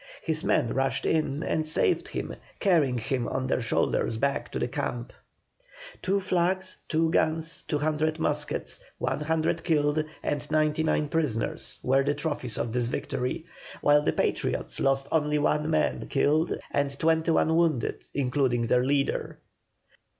His men rushed in and saved him, carrying him on their shoulders back to the camp. Two flags, two guns, two hundred muskets, one hundred killed, and ninety nine prisoners, were the trophies of this victory, while the Patriots lost only one man killed and twenty one wounded, including their leader.